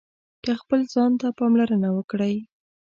که خپل ځان ته پاملرنه وکړئ